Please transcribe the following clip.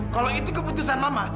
kalau itu keputusan mama